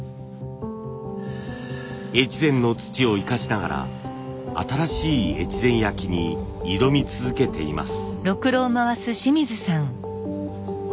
越前の土を生かしながら新しい越前焼に挑み続けています。